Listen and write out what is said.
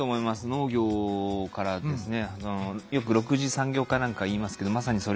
農業からですね。